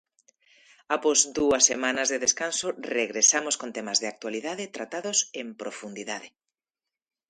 Após dúas semanas de descanso, regresamos con temas de actualidade tratados en profundidade.